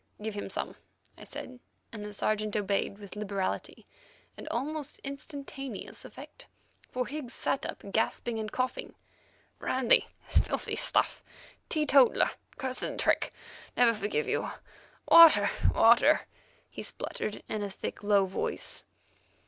"Give him some," I said, and the Sergeant obeyed with liberality and almost instantaneous effect, for Higgs sat up gasping and coughing. "Brandy; filthy stuff; teetotaller! Cursed trick! Never forgive you. Water, water," he spluttered in a thick, low voice.